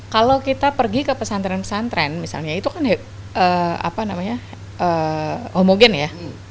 kalau kita pergi ke pesantren pesantren misalnya itu kan apa namanya homogen ya